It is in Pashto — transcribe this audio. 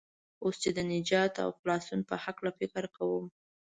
اوس چې د نجات او خلاصون په هلکه فکر کوم.